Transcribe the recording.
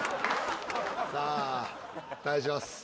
さあ対します